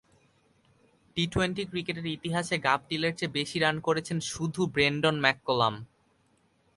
T twenty ক্রিকেটের ইতিহাসে গাপটিলের চেয়ে বেশি রান করেছেন শুধু ব্রেন্ডন ম্যাককালাম।